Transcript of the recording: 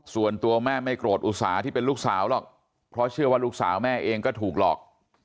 ส่วนตัวแม่ไม่โกรธอุตสาห์ที่เป็นลูกสาวหรอกเพราะเชื่อว่าลูกสาวแม่เองก็ถูกหลอก